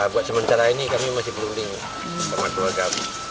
buat sementara ini kami masih belum link sama keluarga